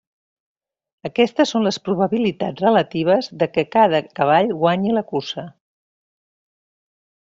Aquestes són les probabilitats relatives de què cada cavall guanyi la cursa.